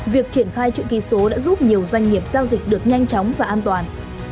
việc triển khai chữ ký số đã giúp nhiều doanh nghiệp giao dịch được nhanh chóng và an toàn